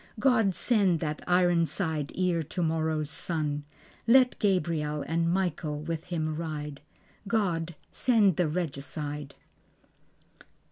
God send that ironside ere tomorrow's sun; Let Gabriel and Michael with him ride. God send the Regicide.